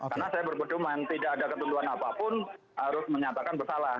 karena saya berpendapat tidak ada ketentuan apapun harus menyatakan bersalah